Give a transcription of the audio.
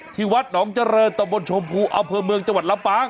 ที่วัดหนองเจริญตะบนชมพูอำเภอเมืองจังหวัดลำปาง